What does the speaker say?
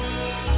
dan yang lain